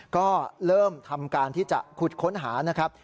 ก็เริ่มทำการที่จะขุดค้นหานะครับ